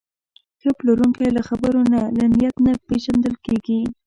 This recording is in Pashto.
ښه پلورونکی له خبرو نه، له نیت نه پېژندل کېږي.